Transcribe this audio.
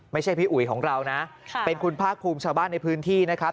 พี่อุ๋ยของเรานะเป็นคุณภาคภูมิชาวบ้านในพื้นที่นะครับ